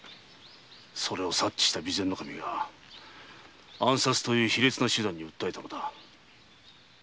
それを察知した備前守が暗殺という卑劣な手段に訴えたのだ。